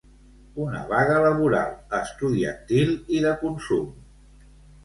Una vaga laboral, estudiantil i de consum.